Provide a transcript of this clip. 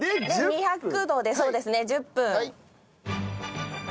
２００度でそうですね１０分。